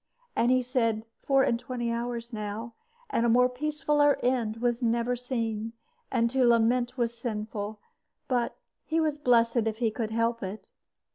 And he said, "Four and twenty hours now; and a more peacefuller end was never seen, and to lament was sinful; but he was blessed if he could help it."